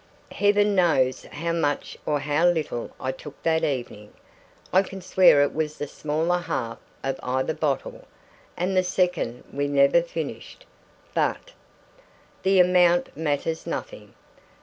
Heaven knows how much or how little I took that evening! I can swear it was the smaller half of either bottle and the second we never finished but the amount matters nothing.